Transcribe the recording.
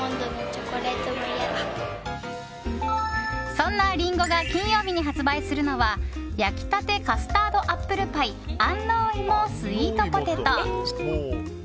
そんなＲＩＮＧＯが金曜日に発売するのは焼きたてカスタードアップルパイ安納芋スイートポテト。